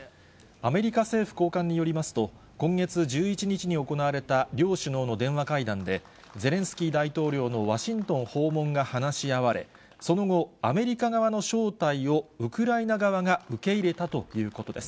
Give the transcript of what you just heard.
アメリカ政府高官によりますと、今月１１日に行われた両首脳の電話会談で、ゼレンスキー大統領のワシントン訪問が話し合われ、その後、アメリカ側の招待をウクライナ側が受け入れたということです。